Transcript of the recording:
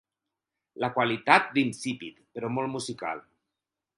La qualitat d'insípid però molt musical.